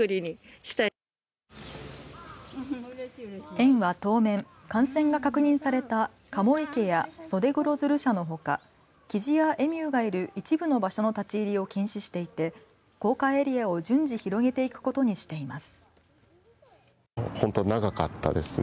園は当面感染が確認されたカモ池やソデグロヅル舎のほかきじやエミューがいる一部の場所の立ち入りを禁止していて公開エリアを順次広げていくことにしています。